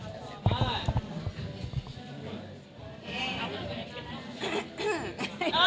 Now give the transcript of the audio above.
โอเค